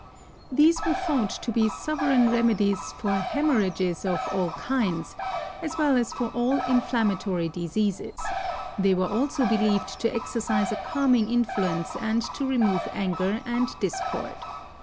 These were thought to be sovereign remedies for hemorrhages of all kinds, as well as for all inflammatory diseases; they were also believed to exercise a calming influence and to remove anger and discord.